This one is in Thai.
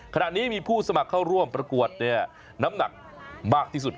ขณะนี้มีผู้สมัครเข้าร่วมประกวดน้ำหนักมากที่สุด